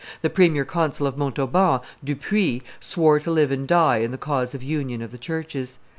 The premier consul of Montauban, Dupuy, swore to live and die in the cause of union of the churches.